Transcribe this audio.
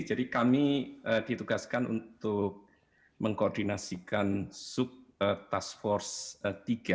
jadi kami ditugaskan untuk mengkoordinasikan sub task force tiga